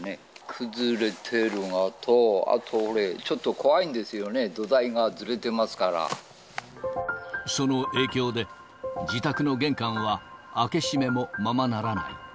崩れてるのと、あと俺、ちょっと怖いんですよね、土台がずれてまその影響で、自宅の玄関は開け閉めもままならない。